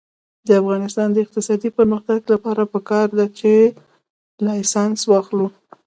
د افغانستان د اقتصادي پرمختګ لپاره پکار ده چې لایسنس واخلو.